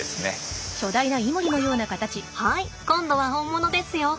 はい今度は本物ですよ。